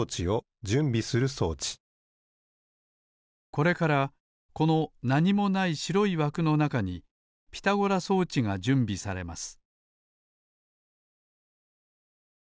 これからこのなにもないしろいわくのなかにピタゴラ装置がじゅんびされます